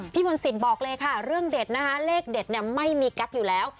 พี่มนตร์สิทธิ์บอกเลยค่ะเรื่องเด็ดนะคะเลขเด็ดไม่มีกักอยู่แล้ว